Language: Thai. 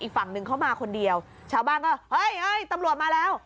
ฝั่งหนึ่งเขามาคนเดียวชาวบ้านก็เฮ้ยเฮ้ยตำรวจมาแล้ว